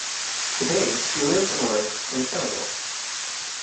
Today she lives and works in Senegal.